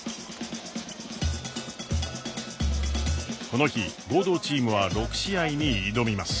この日合同チームは６試合に挑みます。